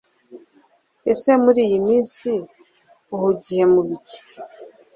Ese muri iyi minsi ahugiye mu biki.